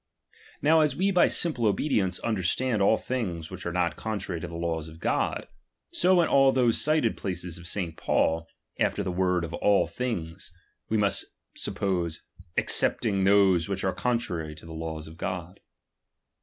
Now as we by simple obedieoce understand all things which are not contrary to the laws of God ; so in those cited places of St. Paul, after the word all things, we must suppose, excepting those which are contrary to the laws of God.